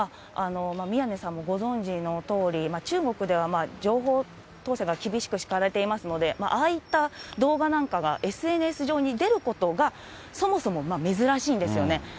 宮根さんもご存じのとおり、中国では情報統制が厳しく敷かれていますので、ああいった動画なんかがＳＮＳ上に出ることが、そもそも珍しいんですよね。